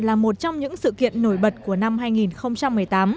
là một trong những sự kiện nổi bật của năm hai nghìn một mươi tám